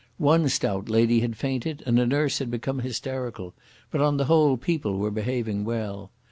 One stout lady had fainted, and a nurse had become hysterical, but on the whole people were behaving well.